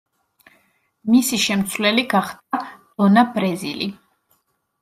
მისი შემცვლელი გახდა დონა ბრეზილი.